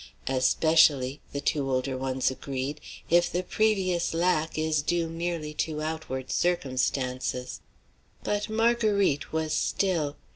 "Especially," the two older ones agreed, "if the previous lack is due merely to outward circumstances." But Marguerite was still.